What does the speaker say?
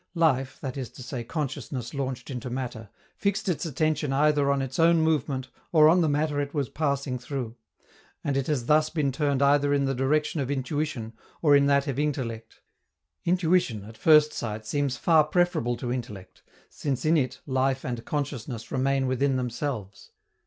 Life, that is to say consciousness launched into matter, fixed its attention either on its own movement or on the matter it was passing through; and it has thus been turned either in the direction of intuition or in that of intellect. Intuition, at first sight, seems far preferable to intellect, since in it life and consciousness remain within themselves.